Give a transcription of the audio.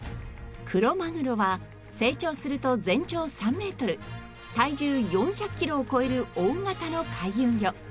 クロマグロは成長すると全長３メートル体重４００キロを超える大型の回遊魚。